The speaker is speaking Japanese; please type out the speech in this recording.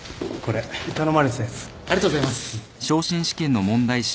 ありがとうございます。